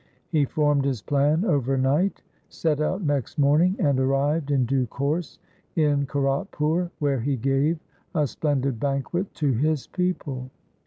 He formed his plan overnight, set out next morning, and arrived in due course in Kiratpur where he gave a splendid banquet to his people.